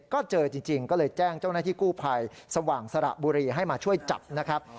ก็เจอจริงก็เลยแจ้งเจ้าหน้าที่กู้ภัยสว่างสระบุรีให้มาช่วยจับนะครับ